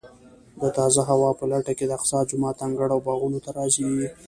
د تازه هوا په لټه کې د اقصی جومات انګړ او باغونو ته راځي.